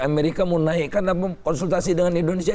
amerika mau naikkan dan konsultasi dengan indonesia